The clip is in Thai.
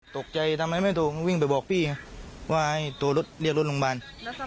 ทีมรักล้อน